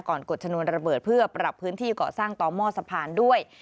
กดชนวนระเบิดเพื่อปรับพื้นที่ก่อสร้างต่อหม้อสะพานด้วย